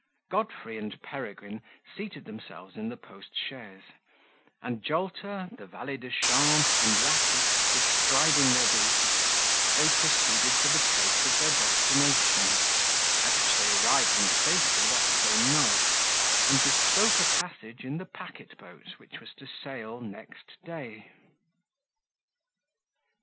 Godfrey and Peregrine seated themselves in the post chaise; and Jolter, the valet de chambre, and lacquey, bestriding their beasts, they proceeded for the place of their destination, at which they arrived in safety that same night, and bespoke a passage in the packet boat which was to sail next day.